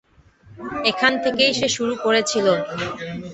এখান থেকেই সে শুরু করেছিল।